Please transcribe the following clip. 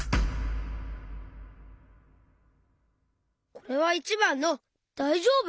これは①ばんの「だいじょうぶ？」。